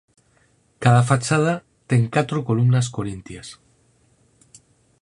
Cada fachada ten catro columnas corintias.